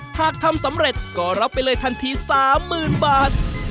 หากทำสำเร็จก็รับไปเลยทันที๓๐๐๐บาท